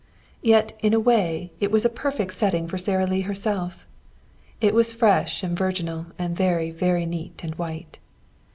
Yet in a way it was a perfect setting for Sara Lee herself. It was fresh and virginal, and very, very neat and white.